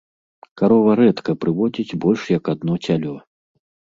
Карова рэдка прыводзіць больш як адно цялё.